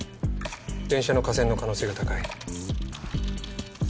電車の架線の可能性が高い。